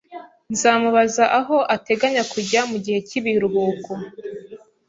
Nzamubaza aho ateganya kujya mugihe cyibiruhuko.